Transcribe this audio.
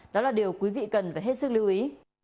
đó là điều quý vị cần phải hết sức lưu ý